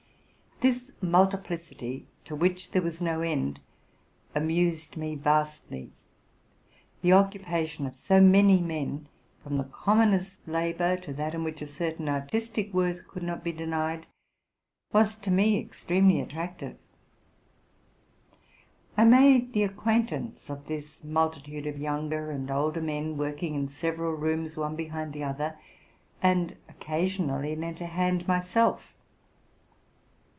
This mul tiplicity, to which there was no end, amused me vastly. The occupation of so many men, from the commonest labor to that in which a certain artistic worth could not be denied, was to me extremely attractive. I made the acquaintance of this multitude of younger and older men, working in several rooms one behind the other, and occasionally lent a hand myself.